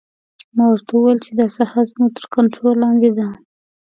ما ورته وویل چې دا ساحه زموږ تر کنترول لاندې ده